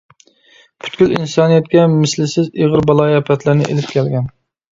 پۈتكۈل ئىنسانىيەتكە مىسلىسىز ئېغىر بالايىئاپەتلەرنى ئېلىپ كەلگەن.